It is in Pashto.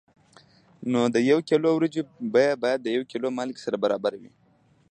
نو د یو کیلو وریجو بیه باید د یو کیلو مالګې سره برابره وي.